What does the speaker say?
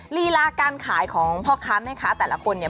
ลีลาการขายของพ่อค้าแม่ค้าแต่ละคนเนี่ย